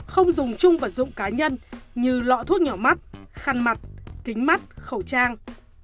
không dùng chung vật dụng cá nhân như lọ thuốc nhỏ mắt khăn mặt kính mắt khẩu trang